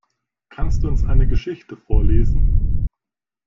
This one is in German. Kannst du uns eine Geschichte vorlesen?